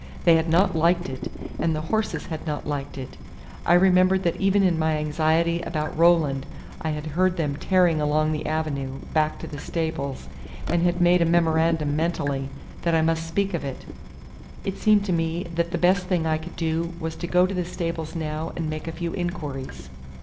They had not liked it, and the horses had not liked it. I remembered that even in my anxiety about Roland I had heard them tearing along the avenue back to the stables, and had made a memorandum mentally that I must speak of it. It seemed to me that the best thing I could do was to go to the stables now and make a few inquiries.